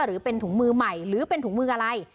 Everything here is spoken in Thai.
หรือเป็นถุงมือใหม่หรือเป็นถุงมืออะไร